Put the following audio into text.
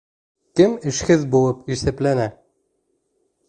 Кем эшһеҙ булып иҫәпләнә?